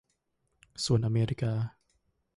ส่วนอเมริกา